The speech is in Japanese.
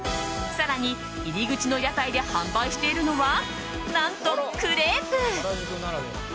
更に入り口の屋台で販売しているのは何と、クレープ。